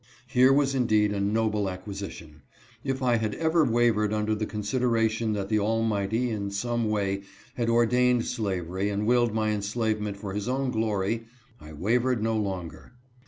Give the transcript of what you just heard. Here was indeed a raible acquisition. If I had ever wavered under the consideration that the Almighty, in some way, had ordained slavery and willed my enslave ment for His own glory, I wavered no longer.